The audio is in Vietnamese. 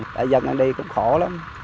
tại dân ở đây cũng khổ lắm